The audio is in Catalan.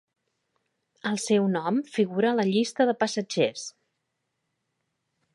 El seu nom figura a la llista de passatgers.